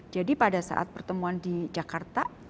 jadi pada saat pertemuan di jakarta